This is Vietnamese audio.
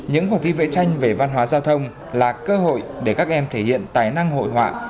những cuộc thi vẽ tranh về văn hóa giao thông là cơ hội để các em thể hiện tài năng hội họa